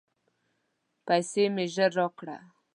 پیسې مي ژر راکړه !